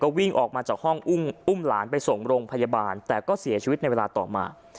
วิ่งออกมาจากห้องอุ้มหลานไปส่งโรงพยาบาลแต่ก็เสียชีวิตในเวลาต่อมา